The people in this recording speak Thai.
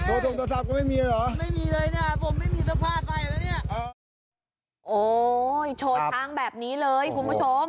โอ้โหโชว์ช้างแบบนี้เลยคุณผู้ชม